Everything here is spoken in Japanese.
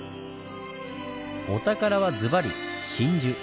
お宝はずばり真珠！